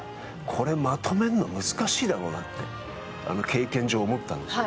これ、まとめるの難しいだろうなって、経験上思って。